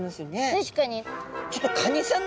確かに。